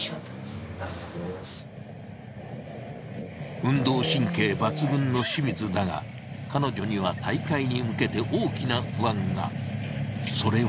運動神経抜群の清水だが彼女には大会に向けて大きな不安が。それは。